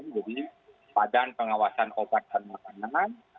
jadi padan pengawasan obat dan makanan